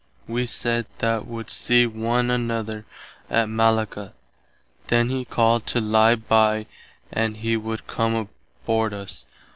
Wee said that would see one another at Mallacca. Then he called to lye by and he would come aboard us.